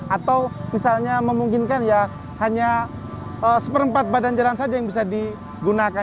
atau misalnya memungkinkan ya hanya seperempat badan jalan saja yang bisa digunakan